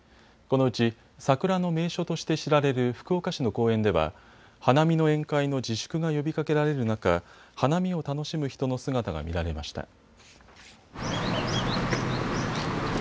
このうち桜の名所として知られる福岡市の公園では花見の宴会の自粛が呼びかけられる中、花見を楽しむ人の姿が見られました。